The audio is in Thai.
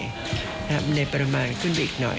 ครับในประมาณขึ้นอีกหน่อย